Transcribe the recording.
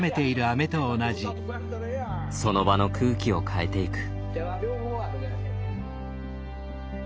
その場の空気を変えていく。